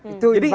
itu ibarat mana